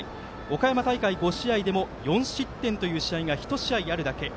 岡山大会５試合でも４失点という試合が１試合あるだけ。